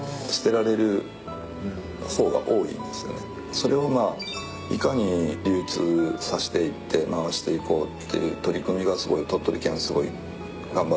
それをいかに流通させていって回していこうっていう取り組みが鳥取県はすごい頑張っておられて。